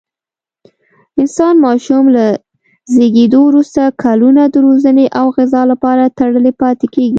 انسان ماشوم له زېږېدو وروسته کلونه د روزنې او غذا لپاره تړلی پاتې کېږي.